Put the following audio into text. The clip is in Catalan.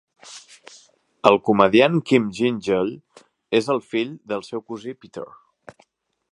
El comediant Kym Gyngell és el fill del seu cosí Peter.